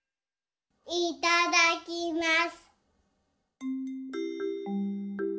いただきます！